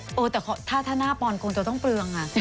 เออแต่ถ้าหน้าปอนคงจะต้องเปลือง